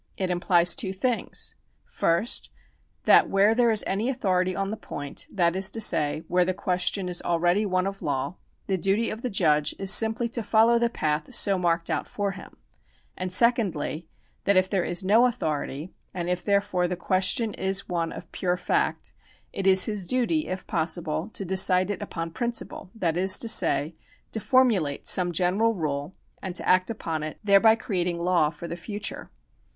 It implies two things : first, that where there is any authority on the point, that is to say, where the question is ah'cady one of law, the duty of the judge is simply to follow the path so marked out for him ; and secondly, that if there is no authority, and if, therefore, the question is one of pure fact, it is his duty, if possible, to decide it upon principle, that is to say, to formulate some general rule and to act upon it, thereby creating law for the future.